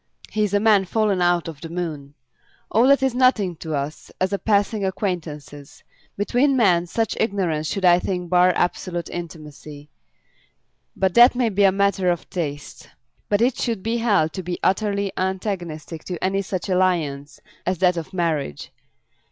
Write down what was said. He is a man fallen out of the moon. All that is nothing to us as passing acquaintances. Between men such ignorance should I think bar absolute intimacy; but that may be a matter of taste. But it should be held to be utterly antagonistic to any such alliance as that of marriage.